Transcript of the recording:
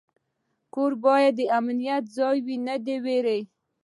کور باید د امنیت ځای وي، نه د ویرې.